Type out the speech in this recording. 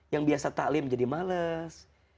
yang biasa ta'lim jadi males